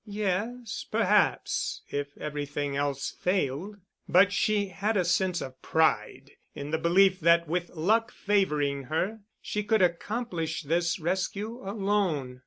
Yes, perhaps, if everything else failed. But she had a sense of pride in the belief that with luck favoring her she could accomplish this rescue alone.